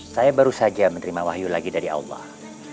saya baru saja menerima wahyu lagi dari allah